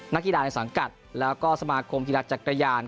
นักกีฬาในสังกัดแล้วก็สมาคมกีฬาจักรยาน